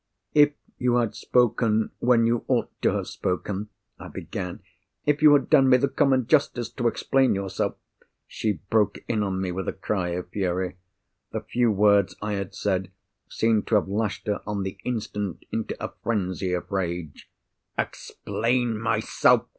"If you had spoken when you ought to have spoken," I began; "if you had done me the common justice to explain yourself——" She broke in on me with a cry of fury. The few words I had said seemed to have lashed her on the instant into a frenzy of rage. "Explain myself!"